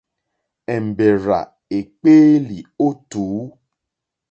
Èmbèrzà èkpéélì ó tùú.